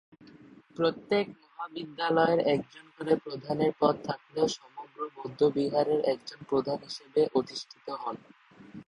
প্রত্যেক মহাবিদ্যালয়ের একজন করে প্রধানের পদ থাকলেও সমগ্র বৌদ্ধবিহারের একজন প্রধান হিসেবে অধিষ্ঠিত হন।